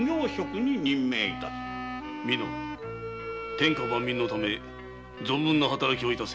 天下万民のため存分な働きを致せ。